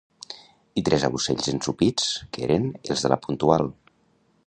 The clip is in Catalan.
...i tres aucells ensopits, que eren els de «La Puntual».